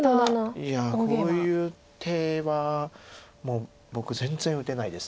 いやこういう手は僕全然打てないです